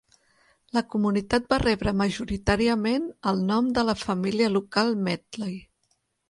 La comunitat va rebre majoritàriament el nom de la família local Medley.